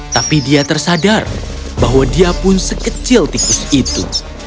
tapi dia tersadar bahwa dia pun sekecil tikus itu